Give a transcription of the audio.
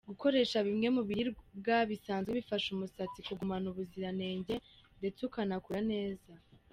Gukoresha bimwe mu biribwa bisanzwe bifasha umusatsi kugumana ubuziranenge ndetse ukanakura neza.